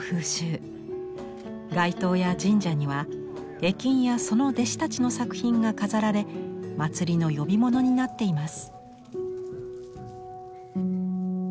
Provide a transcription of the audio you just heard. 街頭や神社には絵金やその弟子たちの作品が飾られ祭りの呼び物になっています。